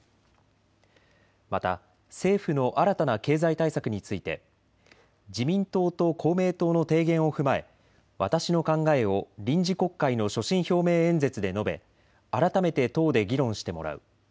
また、政府の新たな経済対策について自民党と公明党の提言を踏まえ私の考えを臨時国会の所信表明演説で述べ改めて党で議論してもらう。